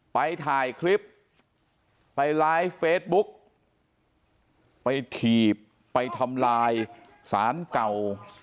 ไปถ่ายคลิปไปไลฟ์เฟซบุ๊กไปถีบไปทำลายสารเก่า